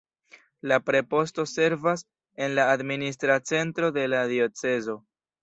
La preposto servas en la administra centro de la diocezo.